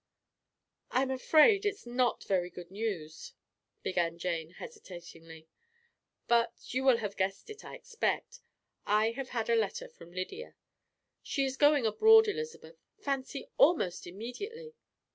"I am afraid it is not very good news," began Jane hesitatingly; "but you will have guessed it, I expect I have had a letter from Lydia. She is going abroad, Elizabeth, fancy, almost immediately!